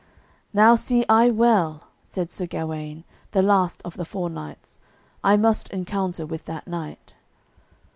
"Now see I well," said Sir Gawaine, the last of the four knights, "I must encounter with that knight."